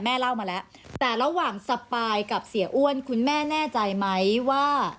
เล่ามาแล้วแต่ระหว่างสปายกับเสียอ้วนคุณแม่แน่ใจไหมว่า